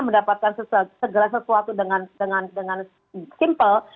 mendapatkan segala sesuatu dengan simple